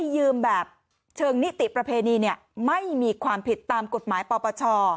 ยืมแบบเชิงนิติประเพณีไม่มีความผิดตามกฎหมายปปช